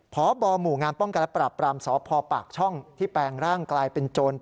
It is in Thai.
พบหมู่งานป้องกันและปรับปรามสพปากช่องที่แปลงร่างกลายเป็นโจร